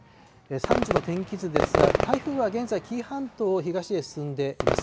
３時の天気図ですが、台風は現在、紀伊半島を東へ進んでいます。